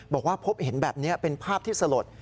บอกว่าพบเห็นแบบนี้เป็นภาพที่สลด